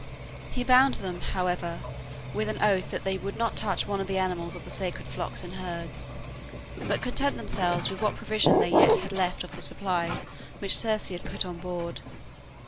He bound them, however, with an oath that they would not touch one of the animals of the sacred flocks and herds, but content themselves with what provision they yet had left of the supply which Circe had put on board.